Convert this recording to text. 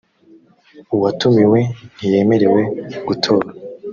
uwatumiwe ntiyemerewe gutora